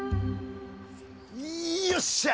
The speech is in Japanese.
よっしゃ！